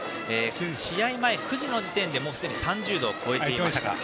試合前９時の時点ですでに３０度を超えていました。